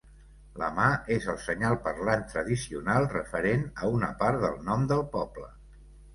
La mà és el senyal parlant tradicional referent a una part del nom del poble.